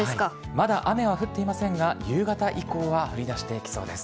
まだ雨は降っていませんが、夕方以降は降りだしてきそうです。